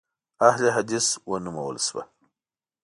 اهل حدیث ونومول شوه.